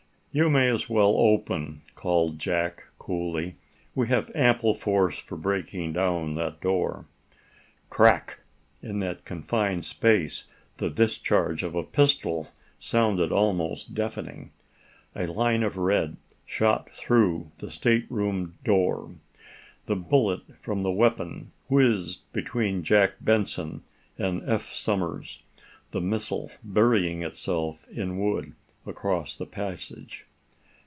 "You may as well open!" called Jack, coolly. "We have ample force for breaking down that door!" Crack! In that confined space the discharge of a pistol sounded almost deafening. A line of red shot through the stateroom door. The bullet from the weapon whizzed between Jack Benson and Eph Somers, the missile burying itself in wood across the passage.